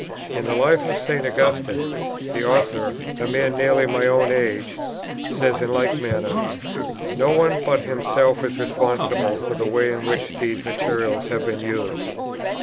In the Life of St. Augustine, the author, a man of nearly my own age, says in like manner, "No one but himself is responsible for the way in which these materials have been used."